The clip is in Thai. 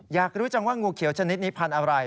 อยากรู้จังว่างูเขียวชนิดนี้พันธุ์อะไร